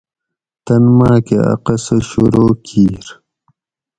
تن ماکہ اۤ قصہ شروع کِیر